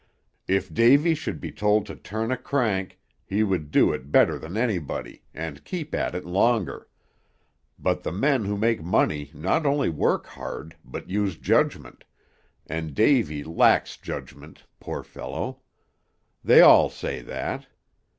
If Davy should be told to turn a crank, he would do it better than anybody, and keep at it longer; but the men who make money not only work hard, but use judgment, and Davy lacks judgment, poor fellow; they all say that.